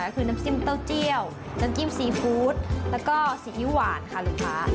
คือน้ำจิ้มเต้าเจียวน้ำจิ้มซีฟู้ดแล้วก็ซีอิ๊วหวานค่ะลูกค้า